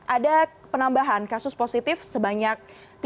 ada penambahan kasus positif sebanyak tiga sembilan ratus enam puluh tiga